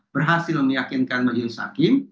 berhasil meyakinkan majelis hakim